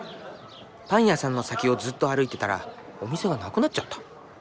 パン屋さんの先をずっと歩いてたらお店が無くなっちゃった。